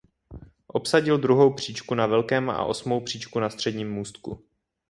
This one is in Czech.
Obsadil druhou příčku na velkém a osmou příčku na středním můstku.